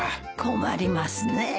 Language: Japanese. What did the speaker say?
困りますねえ。